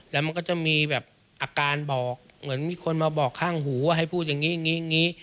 แล้วมันก็จะมีแบบอาการบอกเหมือนมีคนมาบอกข้างหูว่าให้พูดอย่างนี้อย่างนี้